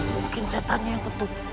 mungkin setannya yang ketut